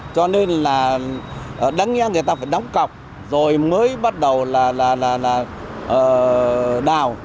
cho nên là đáng nghe người ta phải đóng cọc rồi mới bắt đầu là đào